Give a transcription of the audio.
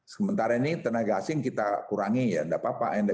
sementara ini tenaga asing kita kurangi ya tidak apa apa